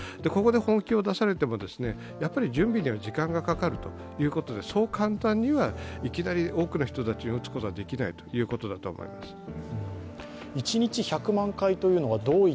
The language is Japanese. ここで本気を出されても、準備には時間がかかるということでそう簡単にはいきなり多くの人たちに打つことはできないということだと思います。